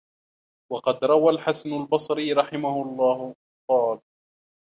وَقَدْ رَوَى الْحَسَنُ الْبَصْرِيُّ رَحِمَهُ اللَّهُ قَالَ